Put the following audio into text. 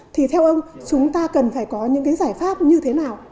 thì theo ông chúng ta cần phải có những cái giải pháp như thế nào